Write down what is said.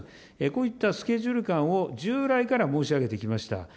こういったスケジュール感を従来から申し上げてきました。